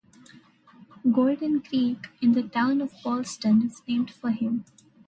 Gordon Creek, in the Town of Ballston, is named for him.